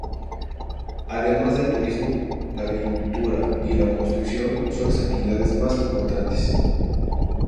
Además del turismo, la agricultura y la construcción son las actividades más importantes.